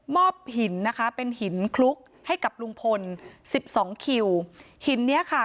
อบหินนะคะเป็นหินคลุกให้กับลุงพลสิบสองคิวหินเนี้ยค่ะ